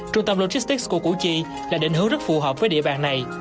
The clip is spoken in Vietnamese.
trung tâm logistics của củ chi là định hướng rất phù hợp với địa bàn này